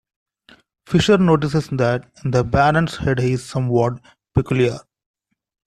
Fisher notices that the baron's head is somewhat peculiar.